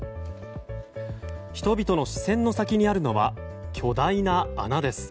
人々の視線の先にあるのは巨大な穴です。